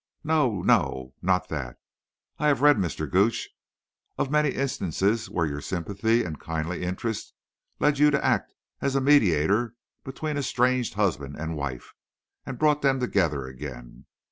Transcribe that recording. "No, no—not that. I have read, Mr. Gooch, of many instances where your sympathy and kindly interest led you to act as a mediator between estranged husband and wife, and brought them together again.